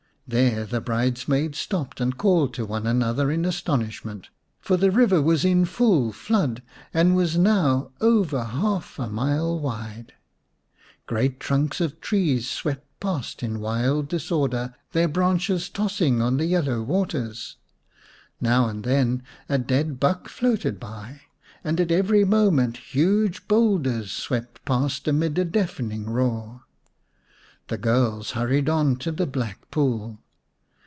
There the bridesmaids stopped and called to one another in astonishment. For the river was in full flood and was now over half a mile wide. Great trunks of trees swept past in wild disorder, their branches tossing on the yellow 88 viu The Serpent's Bride waters; now and then a dead buck floated by, and at every moment huge boulders swept past amid a deafening roar. The girls hurried on to the Black Pool.